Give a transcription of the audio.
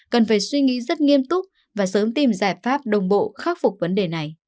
cần phải suy nghĩ rất nghiêm túc và sớm tìm giải pháp đồng bộ khắc phục vấn đề này